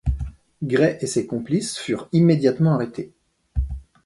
Grey et ses complices furent immédiatement arrêtés.